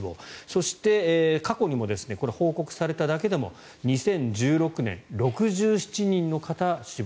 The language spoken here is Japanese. そして、過去にも報告されただけでも２０１６年、６７人の方が死亡。